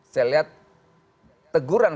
saya lihat teguran